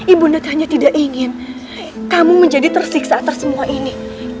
ibu net hanya tidak ingin kamu menjadi tersiksa atas semua ini